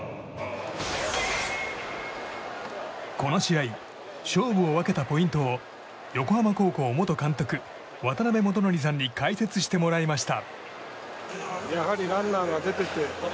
この試合勝負を分けたポイントを横浜高校元監督・渡辺元智さんに解説してもらいました。